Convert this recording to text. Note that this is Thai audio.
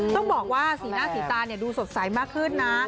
ต้องบอกว่าสีหน้าสีตาดูสดใสมากขึ้นนะ